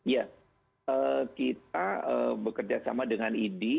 ya kita bekerja sama dengan idi